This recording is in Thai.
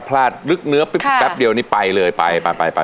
ถ้าพลาดหลึกเนื้อแป๊บเดี๋ยวนี้ไปเลยไป